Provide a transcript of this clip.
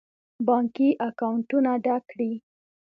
بانکي اکاونټونه ډک کړي.